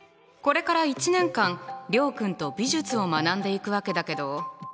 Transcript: これから１年間諒君と美術を学んでいくわけだけど。